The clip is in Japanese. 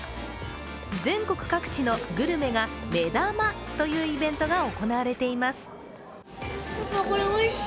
全国各地のグルメが目玉というイベントが行われています。